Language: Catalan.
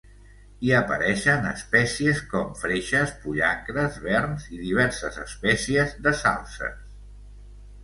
Hi apareixen espècies com freixes, pollancres, verns i diverses espècies de salzes.